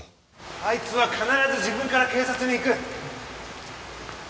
あいつは必ず自分から警察に行く。